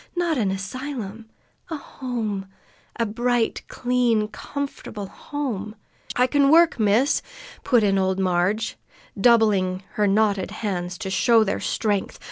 "Not an asylum, A home a bright, clean, comfortable home " "I can work, miss!" put in old Marg, doubling her knotted hands to show their strength.